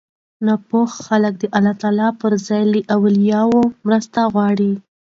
ناپوهه خلک د الله پر ځای له اولياوو مرسته غواړي